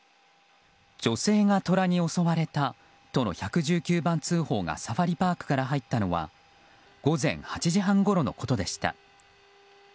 女性がトラに襲われたとの１１９番通報がサファリパークから入ったのは午前８時半ごろのことでした。